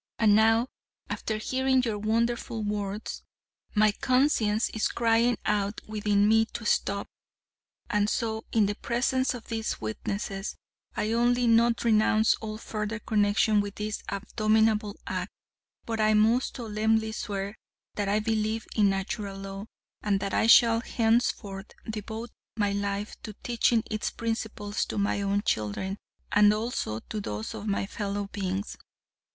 And now, after hearing your wonderful words, my conscience is crying out within me to stop, and so, in the presence of these witnesses, I not only renounce all further connection with this abominable act, but I most solemnly swear that I believe in Natural Law, and that I shall henceforth devote my life to teaching its principles to my own children, and also to those of my fellow beings.